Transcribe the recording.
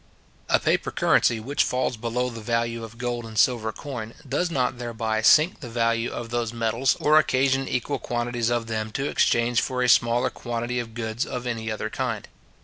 A paper currency which falls below the value of gold and silver coin, does not thereby sink the value of those metals, or occasion equal quantities of them to exchange for a smaller quantity of goods of any other kind.